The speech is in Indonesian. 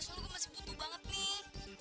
solo gue masih butuh banget nih